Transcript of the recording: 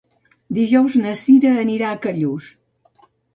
Dijous na Cira anirà a Callús.